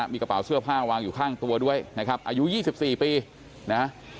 มีกระเป๋าเสื้อผ้าวางอยู่ข้างตัวด้วยนะครับอายุ๒๔ปีนะ